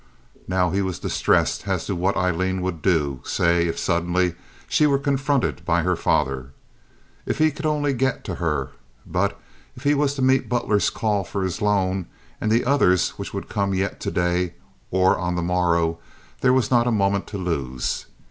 Now he was distressed as to what Aileen would do, say if suddenly she were confronted by her father. If he could only get to her! But if he was to meet Butler's call for his loan, and the others which would come yet to day or on the morrow, there was not a moment to lose.